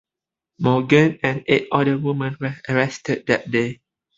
Morgan and eight other women were arrested that day.